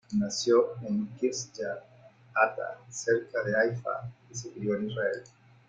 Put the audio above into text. Nació en Kiryat Atta, cerca de Haifa, y se crio en Israel.